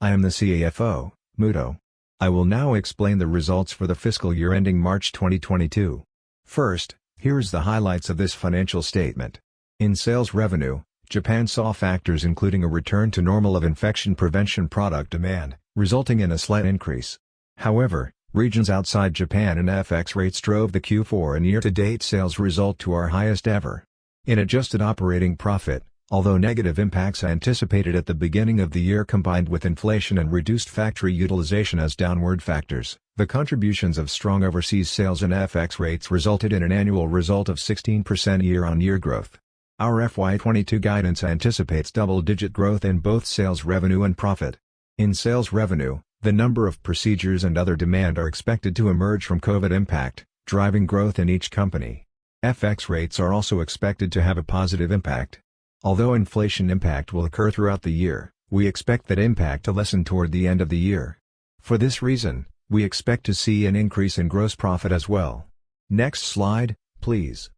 I am the CAFO, Muto. I will now explain the results for the fiscal year ending March 2022. First, here is the highlights of this financial statement. In sales revenue, Japan saw factors including a return to normal of infection prevention product demand, resulting in a slight increase. However, regions outside Japan and FX rates drove the Q4 and year-to-date sales result to our highest ever. In adjusted operating profit, although negative impacts anticipated at the beginning of the year combined with inflation and reduced factory utilization as downward factors, the contributions of strong overseas sales and FX rates resulted in an annual result of 16% year-on-year growth. Our FY22 guidance anticipates double-digit growth in both sales revenue and profit. In sales revenue, the number of procedures and other demand are expected to emerge from COVID impact, driving growth in each company. FX rates are also expected to have a positive impact. Although inflation impact will occur throughout the year, we expect that impact to lessen toward the end of the year. For this reason, we expect to see an increase in gross profit as well. Next slide, please.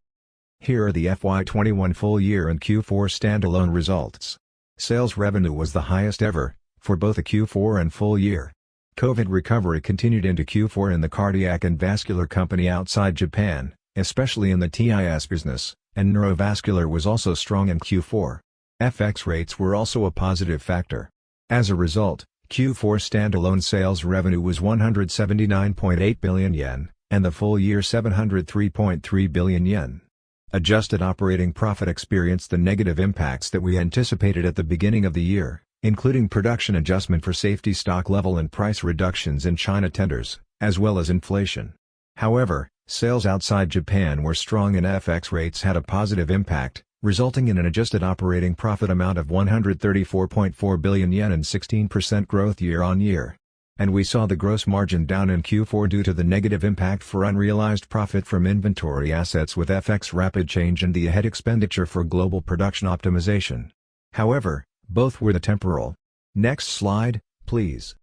Here are the FY21 full year and Q4 standalone results. Sales revenue was the highest ever for both the Q4 and full year. COVID recovery continued into Q4 in the Cardiac and Vascular Company outside Japan, especially in the TIS business, and Neurovascular was also strong in Q4. FX rates were also a positive factor. As a result, Q4 standalone sales revenue was 179.8 billion yen, and the full year 703.3 billion yen. Adjusted operating profit experienced the negative impacts that we anticipated at the beginning of the year, including production adjustment for safety stock level and price reductions in China tenders as well as inflation. However, sales outside Japan were strong and FX rates had a positive impact, resulting in an adjusted operating profit amount of 134.4 billion yen and 16% growth year-on-year. We saw the gross margin down in Q4 due to the negative impact for unrealized profit from inventory assets with FX rapid change and the added expenditure for global production optimization. However, both were temporary. Next slide, please.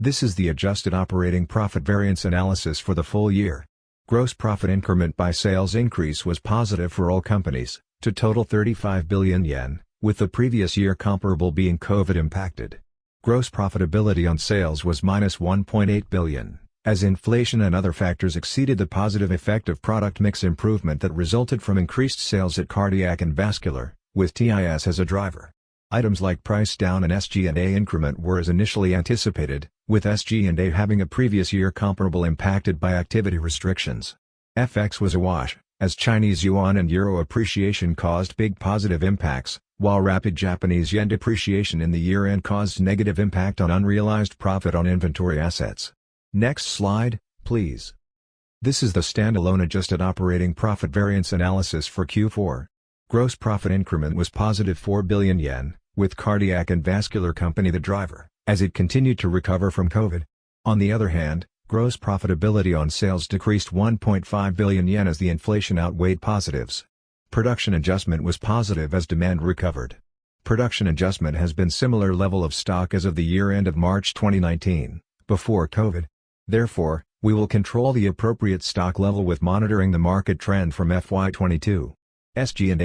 This is the adjusted operating profit variance analysis for the full year. Gross profit increment by sales increase was positive for all companies to total 35 billion yen, with the previous year comparable being COVID impacted. Gross profitability on sales was -1.8 billion, as inflation and other factors exceeded the positive effect of product mix improvement that resulted from increased sales at Cardiac and Vascular Company, with TIS as a driver. Items like price down and SG&A increment were as initially anticipated, with SG&A having a previous year comparable impacted by activity restrictions. FX was a wash as Chinese yuan and euro appreciation caused big positive impacts, while rapid Japanese yen depreciation in the year-end caused negative impact on unrealized profit on inventory assets. Next slide, please. This is the standalone adjusted operating profit variance analysis for Q4. Gross profit increment was 4 billion yen, with Cardiac and Vascular Company the driver as it continued to recover from COVID. On the other hand, gross profitability on sales decreased 1.5 billion yen as the inflation outweighed positives. Production adjustment was positive as demand recovered. Production adjustment has been similar level of stock as of the year-end of March 2019 before COVID. Therefore, we will control the appropriate stock level with monitoring the market trend from FY22.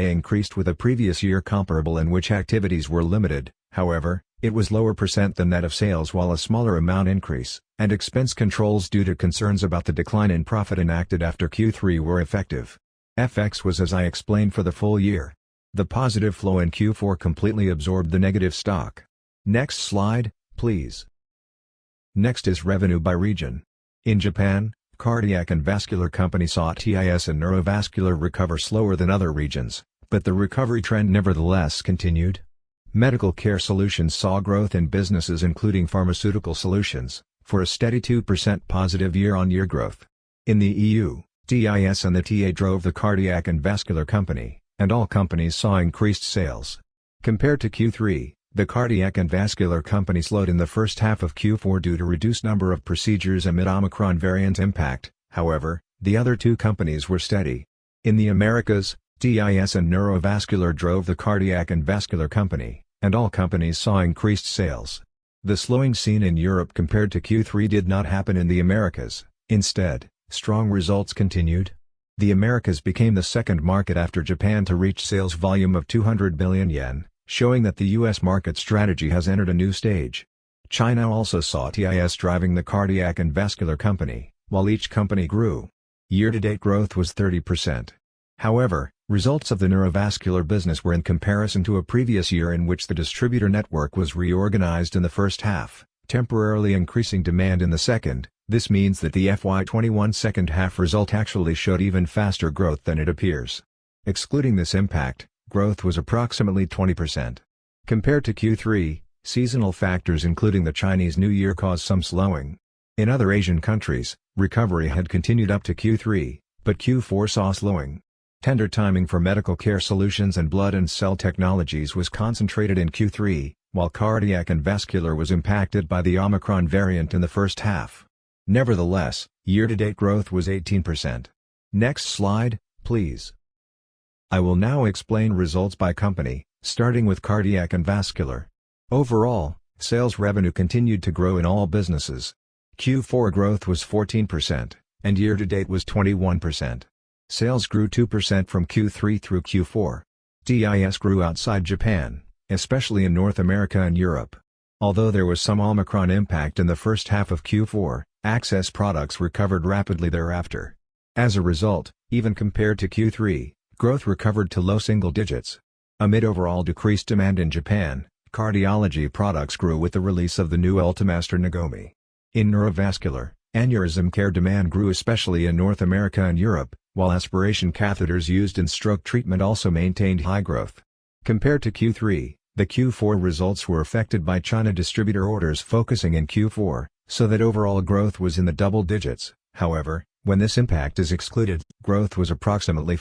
SG&A increased with a previous year comparable in which activities were limited. However, it was lower % than that of sales while a smaller amount increase and expense controls due to concerns about the decline in profit enacted after Q3 were effective. FX was as I explained for the full year. The positive flow in Q4 completely absorbed the negative stock. Next slide, please. Next is revenue by region. In Japan, Cardiac and Vascular Company saw TIS and Neurovascular recover slower than other regions, but the recovery trend nevertheless continued. Medical Care Solutions saw growth in businesses including Pharmaceutical Solutions for a steady 2% positive year-on-year growth. In the EU, TIS and the TA drove the Cardiac and Vascular Company, and all companies saw increased sales. Compared to Q3, the Cardiac and Vascular Company slowed in the first half of Q4 due to reduced number of procedures amid Omicron variant impact. However, the other two companies were steady. In the Americas, TIS and Neurovascular drove the Cardiac and Vascular Company, and all companies saw increased sales. The slowing seen in Europe compared to Q3 did not happen in the Americas. Instead, strong results continued. The Americas became the second market after Japan to reach sales volume of 200 billion yen, showing that the US market strategy has entered a new stage. China also saw TIS driving the Cardiac and Vascular Company while each company grew. Year-to-date growth was 30%. However, results of the Neurovascular business were in comparison to a previous year in which the distributor network was reorganized in the first half, temporarily increasing demand in the second. This means that the FY21 second half result actually showed even faster growth than it appears. Excluding this impact, growth was approximately 20%. Compared to Q3, seasonal factors including the Chinese New Year caused some slowing. In other Asian countries, recovery had continued up to Q3, but Q4 saw slowing. Tender timing for Medical Care Solutions and Blood and Cell Technologies was concentrated in Q3, while Cardiac and Vascular was impacted by the Omicron variant in the first half. Nevertheless, year-to-date growth was 18%. Next slide, please. I will now explain results by company, starting with Cardiac and Vascular. Overall, sales revenue continued to grow in all businesses. Q4 growth was 14%, and year-to-date was 21%. Sales grew 2% from Q3 through Q4. TIS grew outside Japan, especially in North America and Europe. Although there was some Omicron impact in the first half of Q4, access products recovered rapidly thereafter. As a result, even compared to Q3, growth recovered to low single digits. Amid overall decreased demand in Japan, cardiology products grew with the release of the new Ultimaster Nagomi. In Neurovascular, aneurysm care demand grew especially in North America and Europe, while aspiration catheters used in stroke treatment also maintained high growth. Compared to Q3, the Q4 results were affected by China distributor orders focusing in Q4, so that overall growth was in the double digits. However, when this impact is excluded, growth was approximately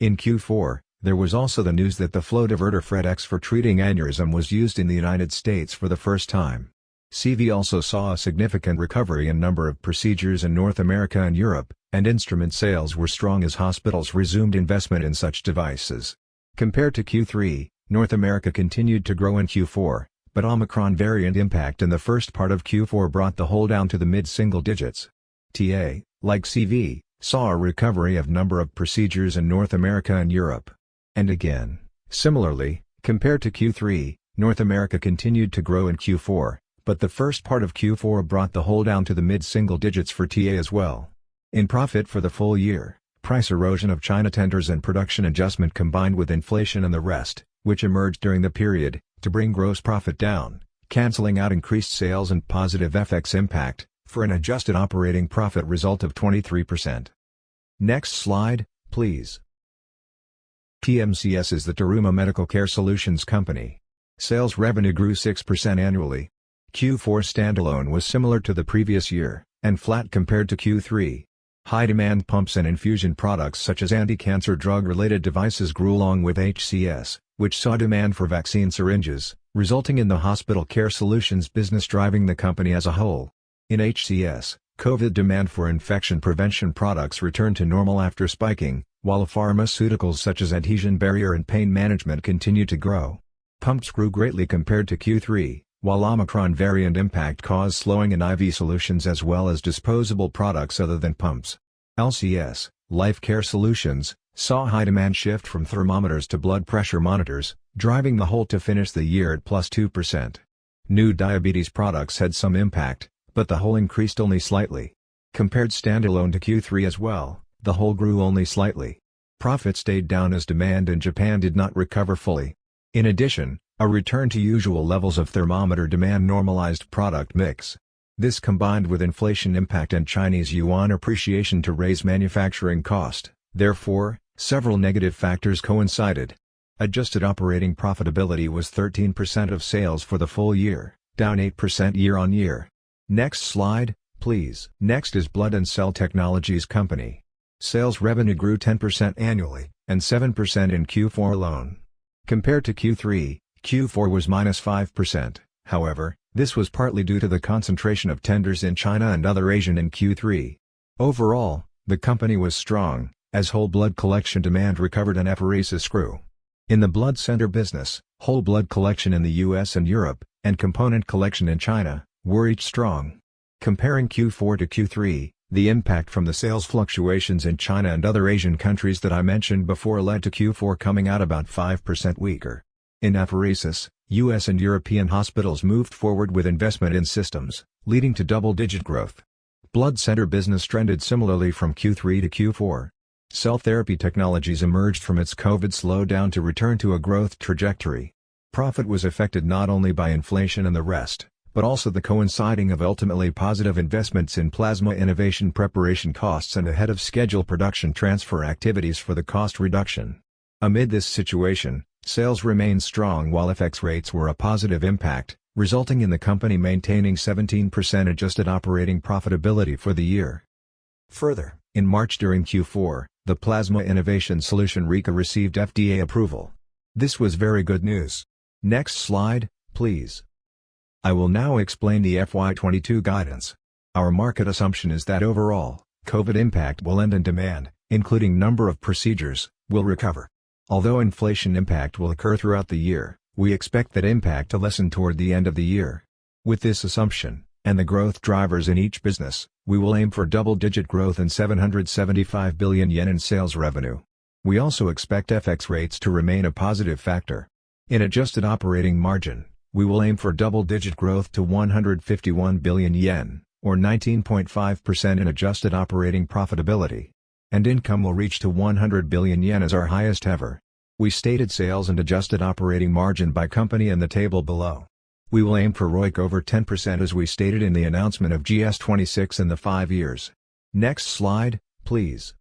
flat. In Q4, there was also the news that the flow diverter FRED X for treating aneurysm was used in the United States for the first time. CV also saw a significant recovery in number of procedures in North America and Europe, and instrument sales were strong as hospitals resumed investment in such devices. Compared to Q3, North America continued to grow in Q4, but Omicron variant impact in the first part of Q4 brought the whole down to the mid-single digits. TA, like CV, saw a recovery of number of procedures in North America and Europe. Again, similarly, compared to Q3, North America continued to grow in Q4, but the first part of Q4 brought the whole down to the mid-single digits for TA as well. In profit for the full year, price erosion of China tenders and production adjustment combined with inflation and the rest, which emerged during the period to bring gross profit down, canceling out increased sales and positive FX impact for an adjusted operating profit result of 23%. Next slide, please. TMCS is the Terumo Medical Care Solutions company. Sales revenue grew 6% annually. Q4 standalone was similar to the previous year and flat compared to Q3. High demand pumps and infusion products such as anticancer drug-related devices grew along with HCS, which saw demand for vaccine syringes, resulting in the Hospital Care Solutions business driving the company as a whole. In HCS, COVID demand for infection prevention products returned to normal after spiking, while pharmaceuticals such as adhesion barrier and pain management continued to grow. Pumps grew greatly compared to Q3, while Omicron variant impact caused slowing in IV solutions as well as disposable products other than pumps. LCS, Life Care Solutions, saw high demand shift from thermometers to blood pressure monitors, driving the whole to finish the year at +2%. New diabetes products had some impact, but the whole increased only slightly. Compared standalone to Q3 as well, the whole grew only slightly. Profit stayed down as demand in Japan did not recover fully. In addition, a return to usual levels of thermometer demand normalized product mix. This combined with inflation impact and Chinese yuan appreciation to raise manufacturing cost. Therefore, several negative factors coincided. Adjusted operating profitability was 13% of sales for the full year, down 8% year-on-year. Next slide, please. Next is Blood and Cell Technologies Company. Sales revenue grew 10% annually and 7% in Q4 alone. Compared to Q3, Q4 was -5%. However, this was partly due to the concentration of tenders in China and other Asia in Q3. Overall, the company was strong as whole blood collection demand recovered and apheresis grew. In the blood center business, whole blood collection in the U.S. and Europe and component collection in China were each strong. Comparing Q4 to Q3, the impact from the sales fluctuations in China and other Asian countries that I mentioned before led to Q4 coming out about 5% weaker. In apheresis, U.S. and European hospitals moved forward with investment in systems leading to double-digit growth. Blood center business trended similarly from Q3 to Q4. Cell therapy technologies emerged from its COVID slowdown to return to a growth trajectory. Profit was affected not only by inflation and the rest, but also the coinciding of ultimately positive investments in Plasma Innovations preparation costs and ahead of schedule production transfer activities for the cost reduction. Amid this situation, sales remained strong while FX rates were a positive impact, resulting in the company maintaining 17% adjusted operating profitability for the year. Further, in March during Q4, the Plasma Innovations solution Rika received FDA approval. This was very good news. Next slide, please. I will now explain the FY22 guidance. Our market assumption is that overall, COVID impact will end and demand, including number of procedures, will recover. Although inflation impact will occur throughout the year, we expect that impact to lessen toward the end of the year. With this assumption and the growth drivers in each business, we will aim for double-digit growth and 775 billion yen in sales revenue. We also expect FX rates to remain a positive factor. In adjusted operating margin, we will aim for double-digit growth to 151 billion yen or 19.5% in adjusted operating profitability. Income will reach to 100 billion yen as our highest ever. We stated sales and adjusted operating margin by company in the table below. We will aim for ROIC over 10% as we stated in the announcement of GS26 in the five years. Next slide, please.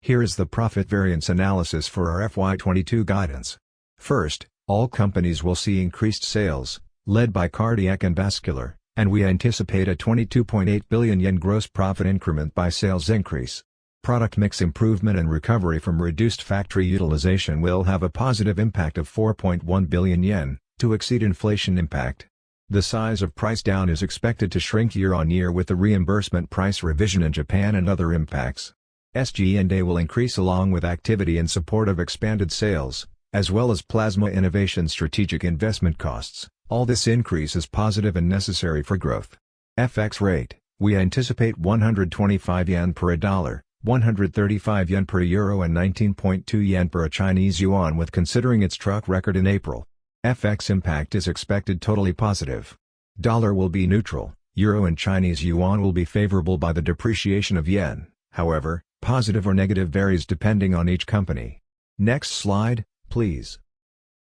Here is the profit variance analysis for our FY22 guidance. First, all companies will see increased sales led by cardiac and vascular, and we anticipate a 22.8 billion yen gross profit increment by sales increase. Product mix improvement and recovery from reduced factory utilization will have a positive impact of 4.1 billion yen to exceed inflation impact. The size of price down is expected to shrink year-on-year with the reimbursement price revision in Japan and other impacts. SG&A will increase along with activity in support of expanded sales, as well as Plasma Innovations strategic investment costs. All this increase is positive and necessary for growth. FX rate, we anticipate 125 yen per dollar, 135 yen per euro, and 19.2 yen per Chinese yuan, considering its track record in April. FX impact is expected totally positive. Dollar will be neutral. Euro and Chinese yuan will be favorable by the depreciation of yen. However, positive or negative varies depending on each company. Next slide, please.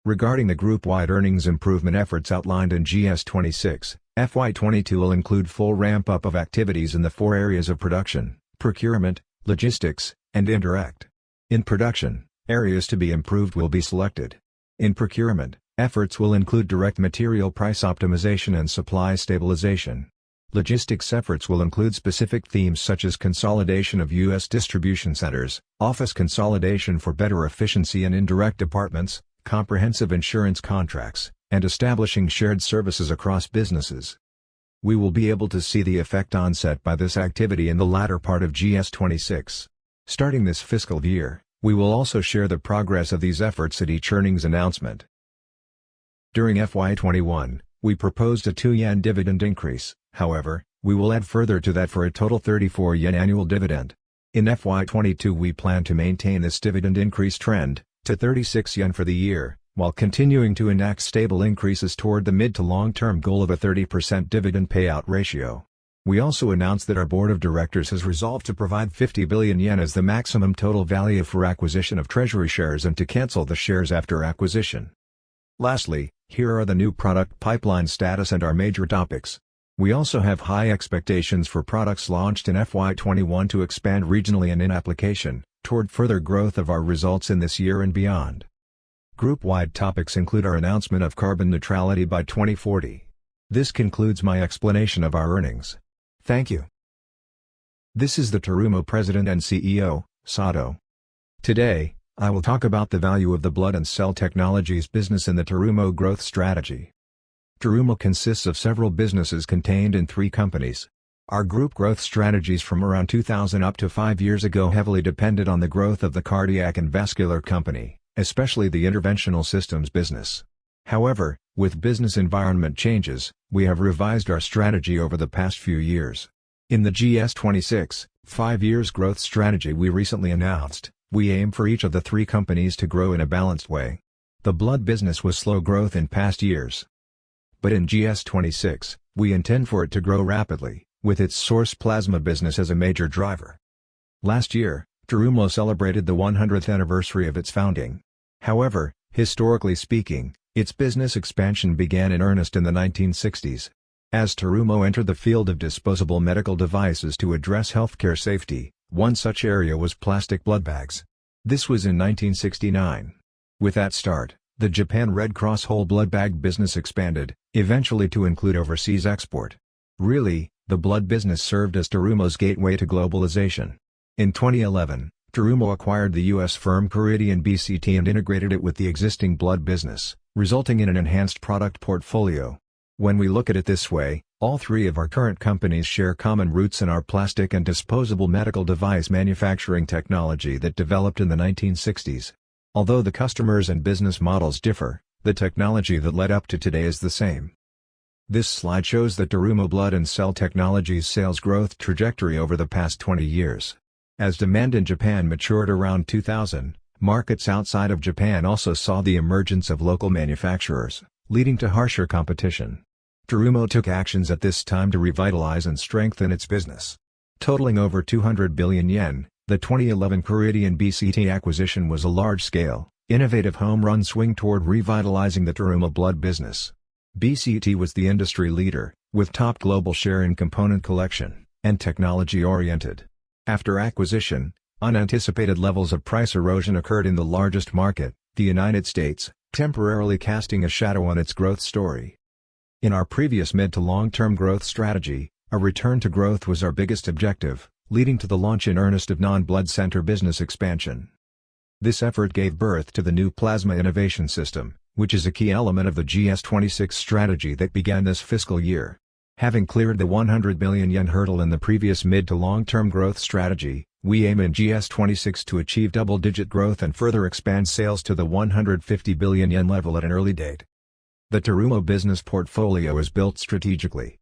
Regarding the group-wide earnings improvement efforts outlined in GS26, FY22 will include full ramp-up of activities in the four areas of production, procurement, logistics, and indirect. In production, areas to be improved will be selected. In procurement, efforts will include direct material price optimization and supply stabilization. Logistics efforts will include specific themes such as consolidation of U.S. distribution centers, office consolidation for better efficiency in indirect departments, comprehensive insurance contracts, and establishing shared services across businesses. We will be able to see the effect onset by this activity in the latter part of GS26. Starting this fiscal year, we will also share the progress of these efforts at each earnings announcement. During FY21, we proposed a 2 yen dividend increase. However, we will add further to that for a total 34 yen annual dividend. In FY22, we plan to maintain this dividend increase trend to 36 yen for the year, while continuing to enact stable increases toward the mid- to long-term goal of a 30% dividend payout ratio. We also announced that our board of directors has resolved to provide 50 billion yen as the maximum total value for acquisition of treasury shares and to cancel the shares after acquisition. Lastly, here are the new product pipeline status and our major topics. We also have high expectations for products launched in FY21 to expand regionally and in application toward further growth of our results in this year and beyond. Group-wide topics include our announcement of carbon neutrality by 2040. This concludes my explanation of our earnings. Thank you. This is the Terumo President and CEO, Shinjiro Sato. Today, I will talk about the value of the Blood and Cell Technologies business in the Terumo growth strategy. Terumo consists of several businesses contained in three companies. Our group growth strategies from around 2000 up to 5 years ago heavily depended on the growth of the Cardiac and Vascular Company, especially the Interventional Systems business. However, with business environment changes, we have revised our strategy over the past few years. In the GS26 5-year growth strategy we recently announced, we aim for each of the three companies to grow in a balanced way. The blood business was slow growth in past years. In GS26, we intend for it to grow rapidly with its source plasma business as a major driver. Last year, Terumo celebrated the 100th anniversary of its founding. However, historically speaking, its business expansion began in earnest in the 1960s. As Terumo entered the field of disposable medical devices to address healthcare safety, one such area was plastic blood bags. This was in 1969. With that start, the Japanese Red Cross whole blood bag business expanded eventually to include overseas export. Really, the blood business served as Terumo's gateway to globalization. In 2011, Terumo acquired the U.S. firm Caridian BCT and integrated it with the existing blood business, resulting in an enhanced product portfolio. When we look at it this way, all three of our current companies share common roots in our plastic and disposable medical device manufacturing technology that developed in the 1960s. Although the customers and business models differ, the technology that led up to today is the same. This slide shows that Terumo Blood and Cell Technologies sales growth trajectory over the past 20 years. As demand in Japan matured around 2000, markets outside of Japan also saw the emergence of local manufacturers, leading to harsher competition. Terumo took actions at this time to revitalize and strengthen its business. Totaling over 200 billion yen, the 2011 CaridianBCT acquisition was a large-scale, innovative home run swing toward revitalizing the Terumo blood business. BCT was the industry leader with top global share in component collection and technology-oriented. After acquisition, unanticipated levels of price erosion occurred in the largest market, the United States, temporarily casting a shadow on its growth story. In our previous mid- to long-term growth strategy, a return to growth was our biggest objective, leading to the launch in earnest of non-blood center business expansion. This effort gave birth to the new Plasma Innovations, which is a key element of the GS26 strategy that began this fiscal year. Having cleared the 100 billion yen hurdle in the previous mid- to long-term growth strategy, we aim in GS26 to achieve double-digit growth and further expand sales to the 150 billion yen level at an early date. The Terumo business portfolio is built strategically,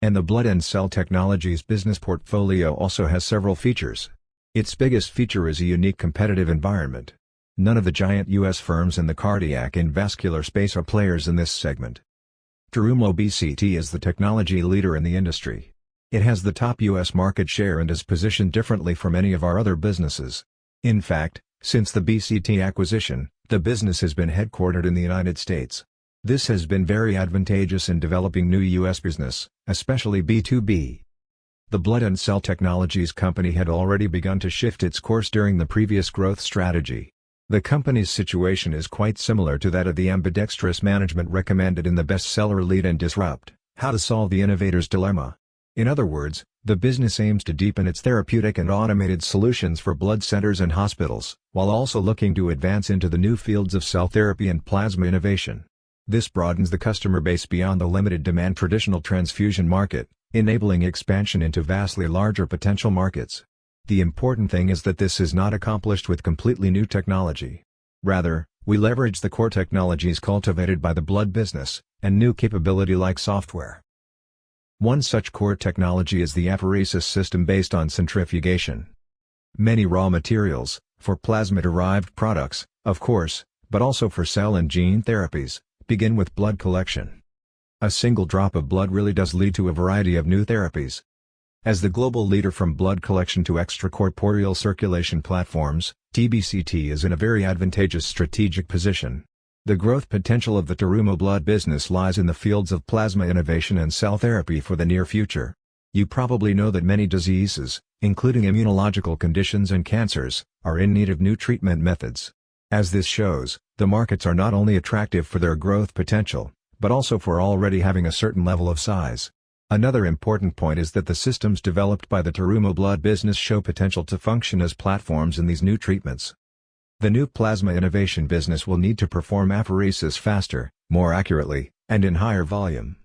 and the Blood and Cell Technologies business portfolio also has several features. Its biggest feature is a unique competitive environment. None of the giant U.S. firms in the cardiac and vascular space are players in this segment. Terumo BCT is the technology leader in the industry. It has the top U.S. market share and is positioned differently from any of our other businesses. In fact, since the BCT acquisition, the business has been headquartered in the United States. This has been very advantageous in developing new U.S. business, especially B2B. The Blood and Cell Technologies company had already begun to shift its course during the previous growth strategy. The company's situation is quite similar to that of the ambidextrous management recommended in the bestseller "Lead and Disrupt: How to Solve the Innovator's Dilemma." In other words, the business aims to deepen its therapeutic and automated solutions for blood centers and hospitals, while also looking to advance into the new fields of cell therapy and plasma innovation. This broadens the customer base beyond the limited demand traditional transfusion market, enabling expansion into vastly larger potential markets. The important thing is that this is not accomplished with completely new technology. Rather, we leverage the core technologies cultivated by the blood business and new capability like software. One such core technology is the apheresis system based on centrifugation. Many raw materials for plasma-derived products, of course, but also for cell and gene therapies begin with blood collection. A single drop of blood really does lead to a variety of new therapies. As the global leader from blood collection to extracorporeal circulation platforms, TBCT is in a very advantageous strategic position. The growth potential of the Terumo blood business lies in the fields of Plasma Innovations and cell therapy for the near future. You probably know that many diseases, including immunological conditions and cancers, are in need of new treatment methods. As this shows, the markets are not only attractive for their growth potential, but also for already having a certain level of size. Another important point is that the systems developed by the Terumo blood business show potential to function as platforms in these new treatments. The new Plasma Innovations business will need to perform apheresis faster, more accurately, and in higher volume.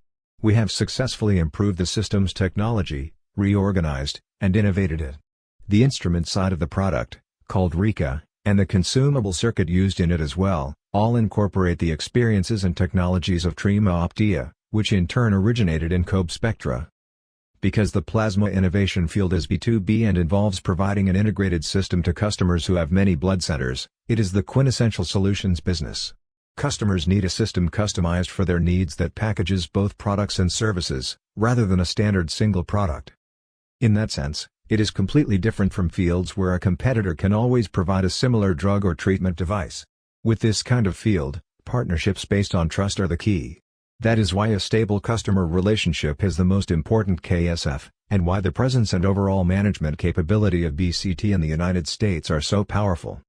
We have successfully improved the system's technology, reorganized, and innovated it. The instrument side of the product, called Rika, and the consumable circuit used in it as well all incorporate the experiences and technologies of Spectra Optia, which in turn originated in COBE Spectra. Because the Plasma Innovations field is B2B and involves providing an integrated system to customers who have many blood centers, it is the quintessential solutions business. Customers need a system customized for their needs that packages both products and services rather than a standard single product. In that sense, it is completely different from fields where a competitor can always provide a similar drug or treatment device. With this kind of field, partnerships based on trust are the key. That is why a stable customer relationship is the most important KSF and why the presence and overall management capability of BCT in the United States are so powerful.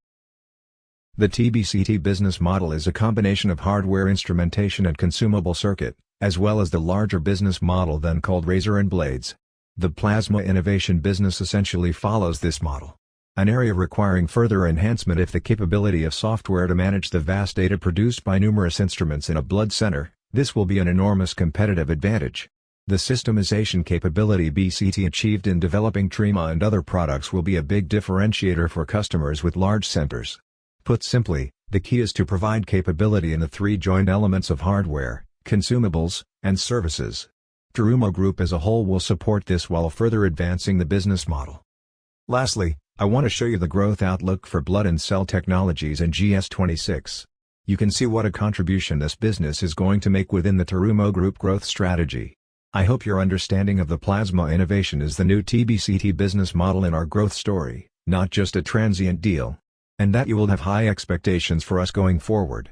The TBCT business model is a combination of hardware instrumentation and consumable circuit, as well as the larger business model than called razor and blades. The Plasma Innovations business essentially follows this model. An area requiring further enhancement is the capability of software to manage the vast data produced by numerous instruments in a blood center. This will be an enormous competitive advantage. The systemization capability BCT achieved in developing Terumo and other products will be a big differentiator for customers with large centers. Put simply, the key is to provide capability in the three joint elements of hardware, consumables, and services. Terumo Group as a whole will support this while further advancing the business model. Lastly, I want to show you the growth outlook for Blood and Cell Technologies in GS26. You can see what a contribution this business is going to make within the Terumo Group growth strategy. I hope your understanding of the Plasma Innovations is the new TBCT business model in our growth story, not just a transient deal, and that you will have high expectations for us going forward.